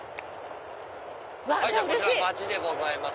こちらバチでございます。